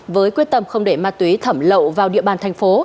với quyết tâm không để ma túy thẩm lậu vào địa bàn thành phố